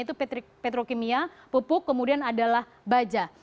itu petrokimia pupuk kemudian adalah baja